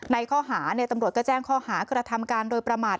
ในข้อหาตำรวจก็แจ้งข้อหากระทำการโดยประมาท